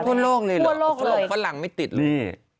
ทั่วโลกเลยเหรอฝรงฝรั่งไม่ติดหลี่